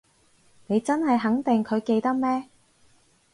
你真係肯定佢記得咩？